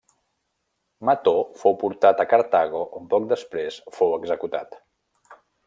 Mató fou portat a Cartago on poc després fou executat.